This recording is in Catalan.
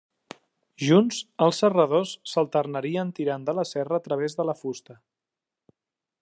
Junts, els serradors s'alternarien tirant de la serra a través de la fusta.